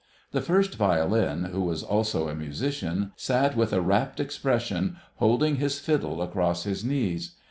The first violin, who was also a musician, sat with a rapt expression, holding his fiddle across his knees.